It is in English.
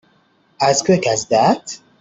As quick as that?